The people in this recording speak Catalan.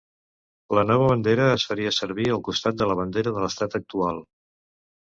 La nova bandera es faria servir al costat de la bandera de l'estat actual.